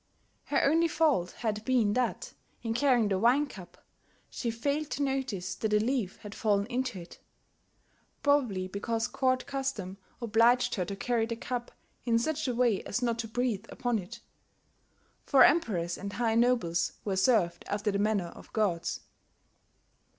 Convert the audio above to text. Her only fault had been that, in carrying the wine cup, she failed to notice that a leaf had fallen into it, probably because court custom obliged her to carry the cup in such a way as not to breathe upon it; for emperors and high nobles were served after the manner of gods.